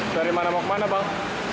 dari mana mau kemana bang